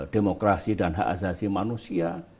demokrasi dan hak azazi manusia